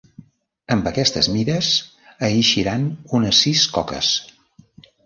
Amb aquestes mides eixiran unes sis coques.